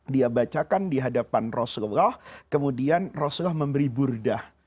dia bacakan di hadapan rasulullah kemudian rasulullah memberi burdah